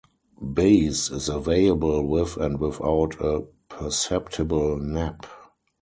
Baize is available with and without a perceptible nap.